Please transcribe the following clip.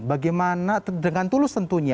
bagaimana dengan tulus tentunya